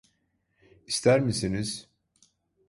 İster misiniz?